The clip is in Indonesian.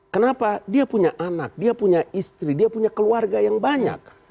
kenapa dia punya anak dia punya istri dia punya keluarga yang banyak